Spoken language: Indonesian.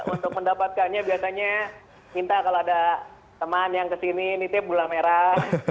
untuk mendapatkannya biasanya minta kalau ada teman yang kesini nitip gula merah